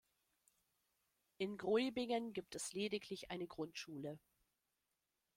In Gruibingen gibt es lediglich eine Grundschule.